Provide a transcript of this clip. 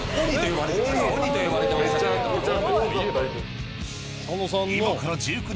鬼と呼ばれてましたからね。